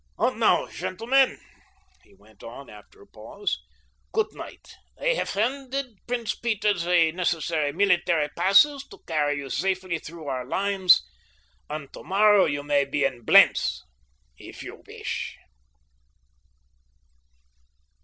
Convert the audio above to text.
And now, gentlemen," he went on after a pause, "good night. I have handed Prince Peter the necessary military passes to carry you safely through our lines, and tomorrow you may be in Blentz if you wish."